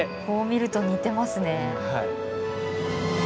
こう見ると似てますね。